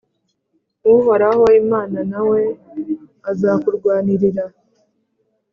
Uhoraho Imana na we azakurwanirira